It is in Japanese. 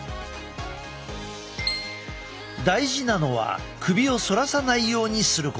大事なのは首を反らさないようにすること。